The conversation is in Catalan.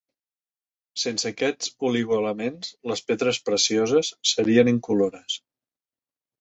Sense aquests oligoelements, les pedres precioses serien incolores.